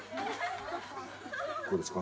こうですか？